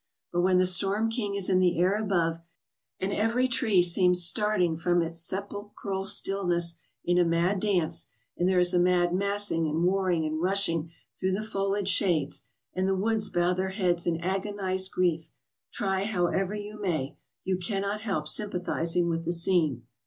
But when the storm king is in the air above, and every tree seems starting from its sepulchral stillness in a mad dance, and there is a mad massing and warring and rushing through the foliage shades, and the woods bow their heads in agonized grief, try however you may, you cannot help sympathizing with the scene.